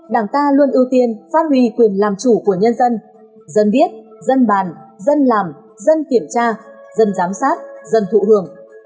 dân biết dân bàn dân làm dân kiểm tra dân giám sát dân thụ hưởng